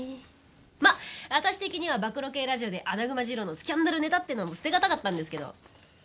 まあ私的には暴露系ラジオでアナグマ治郎のスキャンダルネタっていうのも捨てがたかったんですけど。